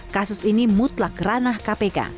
kasus ini mutlak ranah kpk